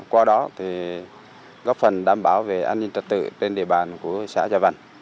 qua đó thì góp phần đảm bảo về an ninh trật tự trên địa bàn của xã gia văn